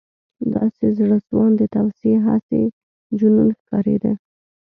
• داسې زړهسواندې توصیې، هسې جنون ښکارېده.